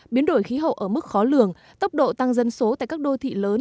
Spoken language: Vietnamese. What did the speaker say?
biến đổi khí hậu ở mức khó lường tốc độ tăng dân số tại các đô thị lớn